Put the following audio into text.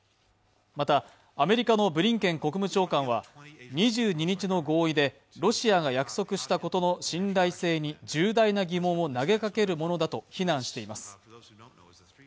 またアメリカのブリンケン国務長官は、２２日の合意でロシアが約束したことの信頼性に重大な疑問を投げかけるものだと非難しています。